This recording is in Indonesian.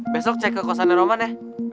besok cek ke kosannya roman ya